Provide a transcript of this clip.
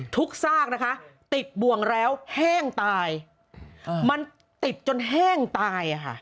ทุกซากติดบวงแล้วแห้งตายมันติดจนแห้งตาย